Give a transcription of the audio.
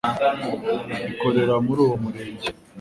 ikorera muri uwo murenge